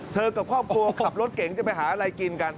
กับครอบครัวขับรถเก่งจะไปหาอะไรกินกัน